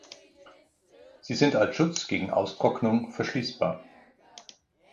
Sie sind als Schutz gegen Austrocknung verschließbar.